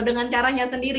dengan caranya sendiri